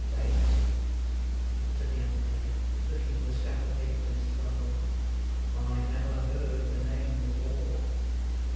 "Bayton," said the undertaker, looking from the scrap of paper to Mr. Bumble. "I never heard the name before."